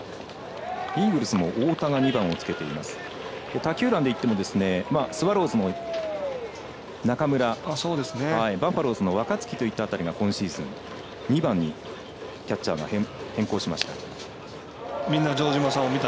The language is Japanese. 他球団でいってもスワローズの中村バファローズの若月といった辺りが今シーズン、２番にキャッチャーが変更しました。